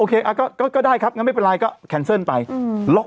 ก็ได้ครับงั้นไม่เป็นไรก็แคนเซิลไปอืมล็อก